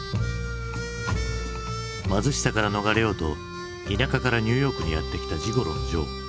貧しさから逃れようと田舎からニューヨークにやって来たジゴロのジョー。